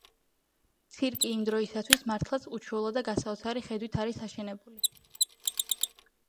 ცირკი იმ დროისათვის მართლაც უჩვეულო და გასაოცარი ხედვით არის აშენებული.